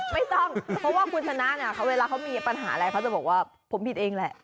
ไม่ต้องเพราะว่าคุณชนะเนี่ยเวลาเขามีปัญหาอะไรเขาจะบอกว่าผมผิดเองแหละ